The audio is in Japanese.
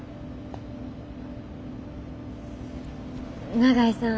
長井さん